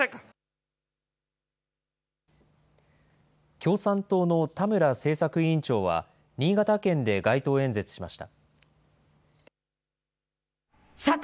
共産党の田村政策委員長は、新潟県で街頭演説しました。